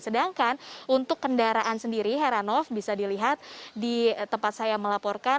sedangkan untuk kendaraan sendiri heranov bisa dilihat di tempat saya melaporkan